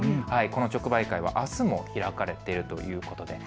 この直売会はあすも開かれているということです。